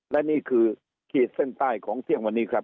และนี่คือขีดเส้นใต้ของเที่ยงวันนี้ครับ